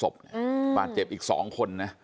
ศพบาดเจ็บอีก๒คนนะ